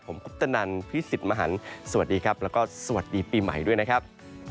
ผมคุปตนันพี่สิทธิ์มหันฯสวัสดีครับแล้วก็สวัสดีปีใหม่ด้วยนะครับ